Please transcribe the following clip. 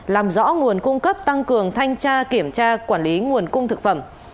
làm rõ nguồn cung cấp tăng cường thanh tra kiểm tra quản lý nguồn cung thực phẩm